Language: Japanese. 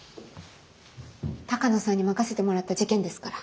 鷹野さんに任せてもらった事件ですから。